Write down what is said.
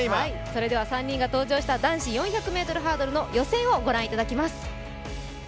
それでは３人が登場した男子４００ｍハードルの予選をご覧いただきます。